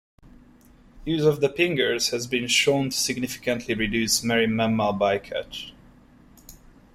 Use of the pingers has been shown to significantly reduce marine mammal bycatch.